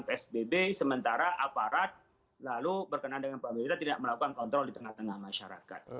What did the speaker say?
psbb sementara aparat lalu berkenaan dengan pemerintah tidak melakukan kontrol di tengah tengah masyarakat